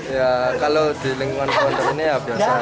ya kalau di lingkungan konten ini ya biasa saja